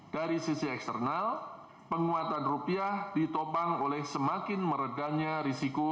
dari sisi eksternal penguatan rupiah ditopang oleh semakin meredahnya risiko